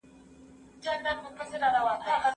اقتصادي تعاون لویه جذبه ده.